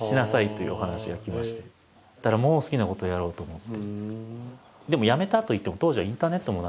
だから「もう好きなことをやろう」と思って。